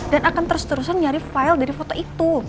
dan akan terus terusan nyari file dari foto itu